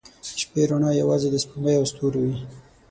• د شپې رڼا یوازې د سپوږمۍ او ستورو وي.